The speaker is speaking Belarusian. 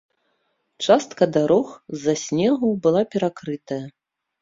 Частка дарог з-за снегу была перакрытая.